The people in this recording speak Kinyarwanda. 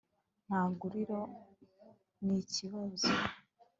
nta garuriro n'ikibuza